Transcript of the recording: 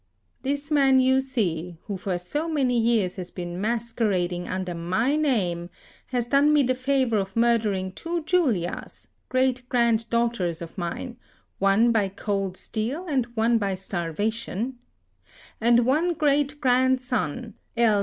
] This man you see, who for so many years has been masquerading under my name, has done me the favour of murdering two Julias, great granddaughters of mine, one by cold steel and one by starvation; and one great grandson, L.